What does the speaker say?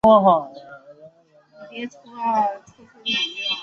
湖南马铃苣苔为苦苣苔科马铃苣苔属下的一个种。